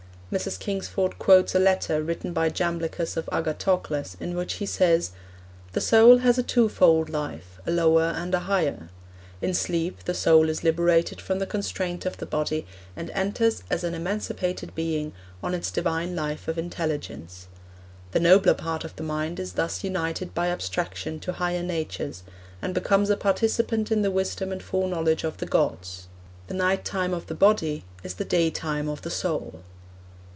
Mrs. Kingsford quotes a letter written by Jamblichus to Agathocles, in which he says: 'The soul has a twofold life, a lower and a higher. In sleep the soul is liberated from the constraint of the body, and enters, as an emancipated being, on its divine life of intelligence. The nobler part of the mind is thus united by abstraction to higher natures, and becomes a participant in the wisdom and foreknowledge of the gods. ... The night time of the body is the day time of the soul.'